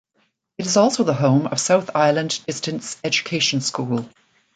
It is also the home of South Island Distance Education School.